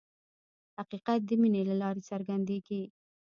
حقیقت د مینې له لارې څرګندېږي.